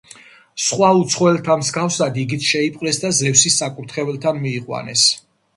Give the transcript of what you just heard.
სხვა უცხოელთა მსგავსად იგიც შეიპყრეს და ზევსის საკურთხეველთან მიიყვანეს.